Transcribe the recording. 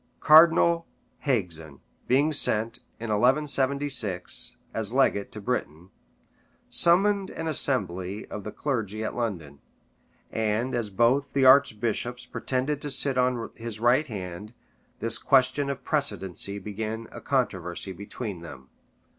Cardinal Haguezun, being sent, in 1176, as legate into Britain, summoned an assembly of the clergy at London; and, as both the archbishops pretended to sit on his right hand, this question of precedency begat a controversy between them.